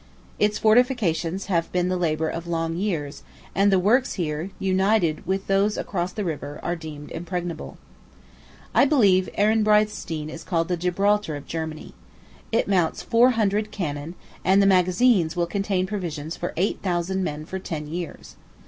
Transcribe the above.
Its fortifications have been the labor of long years; and the works here, united with those across the river, are deemed impregnable. I believe Ehrenbreitstein is called the Gibraltar of Germany. It mounts four hundred cannon, and the magazines will contain provisions for eight thousand men for ten years.